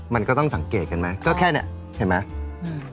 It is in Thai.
มันก็ต้องสังเกตกันไหมก็แค่เนี้ยเห็นไหม